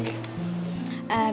iya sih laper lagi